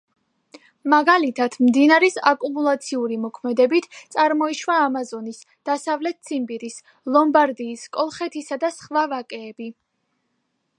მაგალითად, მდინარის აკუმულაციური მოქმედებით წარმოიშვა ამაზონის, დასავლეთ ციმბირის, ლომბარდიის, კოლხეთისა და სხვა ვაკეები.